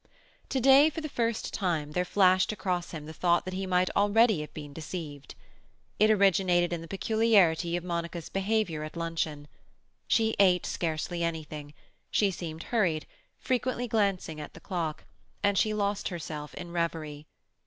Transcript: To day for the first time there flashed across him the thought that already he might have been deceived. It originated in a peculiarity of Monica's behaviour at luncheon. She ate scarcely anything; she seemed hurried, frequently glancing at the clock; and she lost herself in reverie.